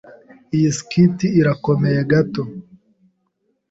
Iyi skirt irakomeye gato.